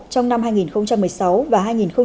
trong năm hai nghìn một mươi sáu và hai nghìn một mươi chín